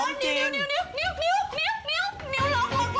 นิ้วนิ้วล็อกจริงด้วย